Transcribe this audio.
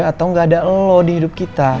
atau nggak ada lo di hidup kita